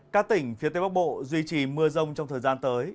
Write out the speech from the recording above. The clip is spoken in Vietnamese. các tỉnh phía tây bắc bộ duy trì mưa rông trong thời gian tới